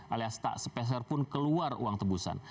alias tak sepeserpun keluar uang tebusan